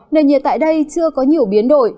nền nhiệt tại đây chưa có nhiều biến đổi